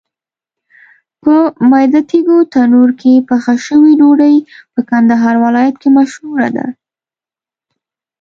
په میده تېږو تنور کې پخه شوې ډوډۍ په کندهار ولایت کې مشهوره ده.